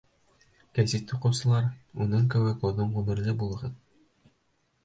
Гәзит уҡыусылар, уның кеүек оҙон ғүмерле булығыҙ!